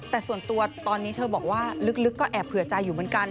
แต่ส่วนตัวตอนนี้เธอบอกว่าลึกก็แอบเผื่อใจอยู่เหมือนกัน